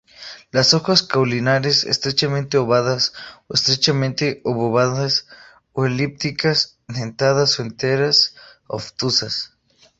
Las hojas caulinares estrechamente ovadas o estrechamente obovadas a elípticas, dentadas o enteras, obtusas.